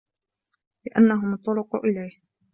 لِأَنَّهُمْ الطُّرُقُ إلَيْهِ